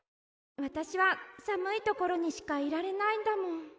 わたしはさむいところにしかいられないんだもん。